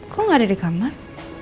kok gak ada di kamar